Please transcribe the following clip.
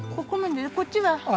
こっちは？